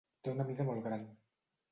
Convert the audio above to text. Té una mida molt gran.